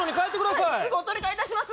はいすぐお取り替えいたします